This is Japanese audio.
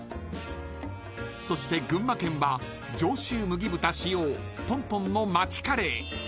［そして群馬県は上州麦豚使用とんとんのまちカレー］